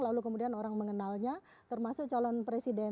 lalu kemudian orang mengenalnya termasuk calon presiden